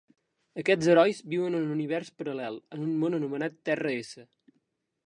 Aquests herois viuen en un univers paral·lel en un món anomenat Terra-S.